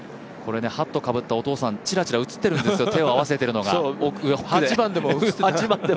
ハットをかぶったお父さん、ちらちら映ってるんですよ、手を合わせてるのが。